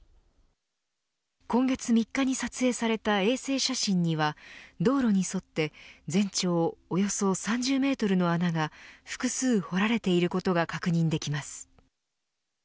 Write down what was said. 今月３日に撮影された衛星写真には道路に沿って全長およそ３０メートルの穴が複数掘られていることが確認できます。